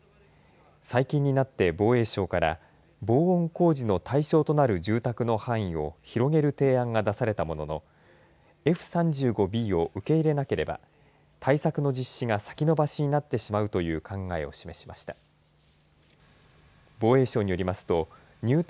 最近になって防衛省から防音工事の対象となる住宅の範囲を広げる提案が出されたもののＦ３５Ｂを受け入れなければ対策の実施が先延ばしになってしまうという考えを示しました。